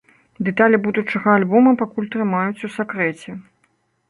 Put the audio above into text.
Дэталі будучага альбома пакуль трымаюць у сакрэце.